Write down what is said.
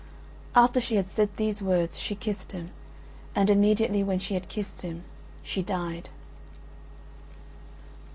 After she had said these words she kissed him, and immediately when she had kissed him she died.